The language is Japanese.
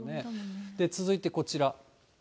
続いてこちら。